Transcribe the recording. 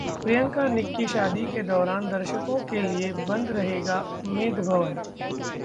प्रियंका-निक की शादी के दौरान दर्शकों के लिए बंद रहेगा उम्मेद भवन